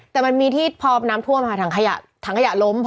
แต่มันมีที่พอน้ำท่วมถังขยะถังขยะล้ม